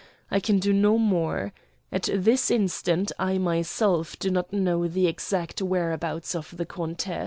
I can do no more. At this instant I myself do not know the exact whereabouts of the countess.